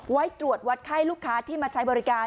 ไว้ตรวจวัดไข้ลูกค้าที่มาใช้บริการ